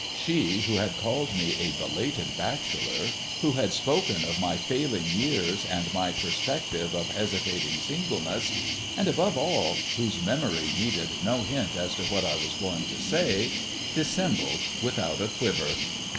She, who had called me a belated bachelor, who had spoken of my failing years and my perspective of hesitating singleness, and, above all, whose memory needed no hint as to what I was going to say, dissembled without a quiver.